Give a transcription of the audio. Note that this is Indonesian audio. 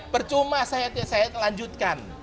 percuma saya lanjutkan